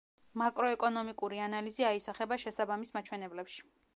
მაკროეკონომიკური ანალიზი აისახება შესაბამის მაჩვენებლებში.